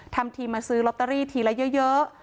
ทำทีมาซื้อลอตเตอรี่ทีละเยอะ